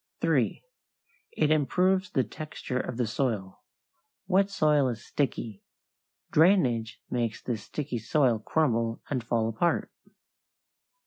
3. It improves the texture of the soil. Wet soil is sticky. Drainage makes this sticky soil crumble and fall apart.